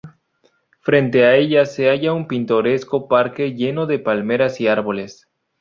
Frente a ella se halla un pintoresco parque lleno de palmeras y árboles.